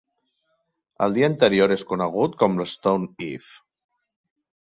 El dia anterior és conegut com l'"Stone Eve".